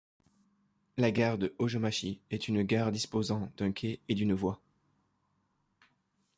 La gare de Hōjōmachi est une gare disposant d'un quai et d'une voie.